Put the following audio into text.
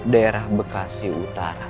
daerah bekasi utara